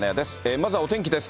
まずはお天気です。